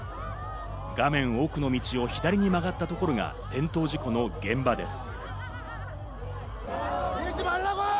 画面奥の道を左に曲がったところが転倒事故の現場です。